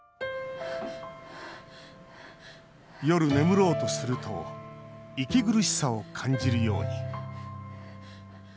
夜、眠ろうとすると息苦しさを感じるように。